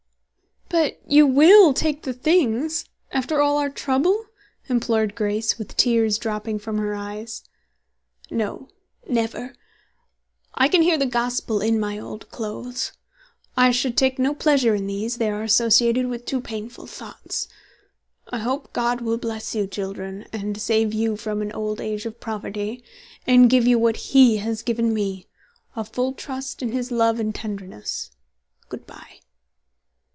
"But you will take the things, after all our trouble?" implored Grace, with tears dropping from her eyes. "No, never; I can hear the Gospel in my old clothes. I should take no pleasure in these; they are associated with too painful thoughts. I hope God will bless you, children, and save you from an old age of poverty, and give you what He has given me, a full trust in His love and tenderness. Good by."